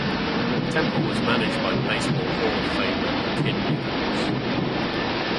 Temple was managed by Baseball Hall of Fame member Kid Nichols.